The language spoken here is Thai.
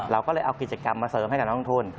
เราก็เลยเอากิจกรรมมาเสริมให้กับน้องทุน